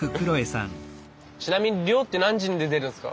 ちなみに漁って何時に出てるんですか？